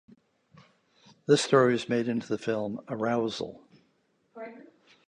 This story was made into the film "Arousal".